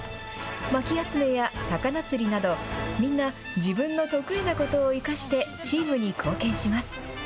まき集めや魚釣りなど、みんな、自分の得意なことを生かしてチームに貢献します。